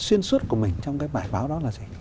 xuyên suốt của mình trong cái bài báo đó là gì